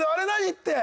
って。